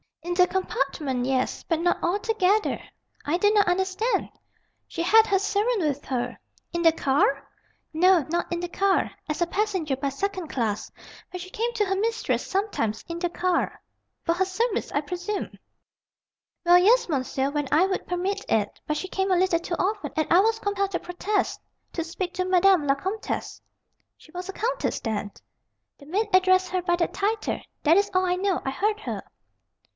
"In the compartment, yes. But not altogether." "I do not understand!" "She had her servant with her." "In the car?" "No, not in the car. As a passenger by second class. But she came to her mistress sometimes, in the car." "For her service, I presume?" "Well, yes, monsieur, when I would permit it. But she came a little too often, and I was compelled to protest, to speak to Madame la Comtesse " "She was a countess, then?" "The maid addressed her by that title. That is all I know. I heard her."